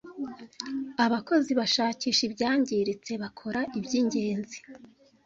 Abakozi bashakisha ibyangiritse, bakora ibyingenzi,